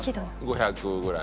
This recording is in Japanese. ５００ぐらい？